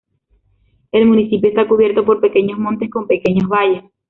El municipio está cubierto por pequeños montes con pequeños valles.